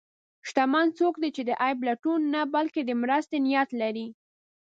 شتمن څوک دی چې د عیب لټون نه، بلکې د مرستې نیت لري.